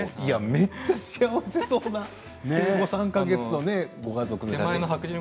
めっちゃ幸せそうな生後３か月のご家族で。